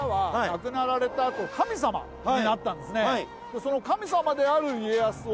その神様である家康を。